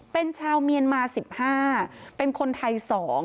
เป็นชาวเมียนมา๑๕เป็นคนไทย๒